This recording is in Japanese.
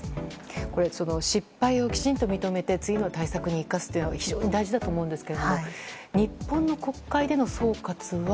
これ、失敗をきちんと認めて次の対策に生かすことは非常に大事だと思うんですが日本の国会での総括は。